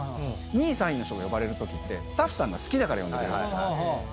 ２位３位の人が呼ばれるときはスタッフさんが好きだから呼んでくれるんですよ。